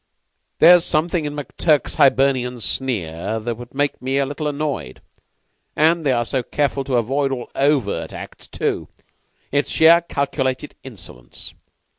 There's something in McTurk's Hibernian sneer that would make me a little annoyed. And they are so careful to avoid all overt acts, too. It's sheer calculated insolence.